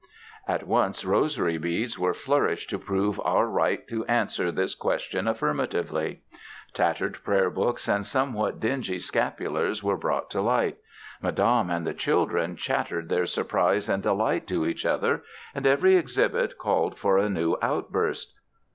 At once rosary beads were flourished to prove our right to answer this question affirmatively. Tattered prayer books and somewhat dingy scapulars were brought to light. Madame and the children chattered their surprise and delight to each other, and every exhibit called for a new outburst.